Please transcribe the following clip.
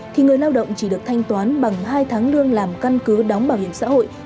thì người lao động chỉ được thanh toán bằng hai tháng lương làm căn cứ đóng bảo hiểm xã hội